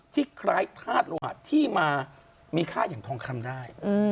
คล้ายธาตุโลหะที่มามีค่าอย่างทองคำได้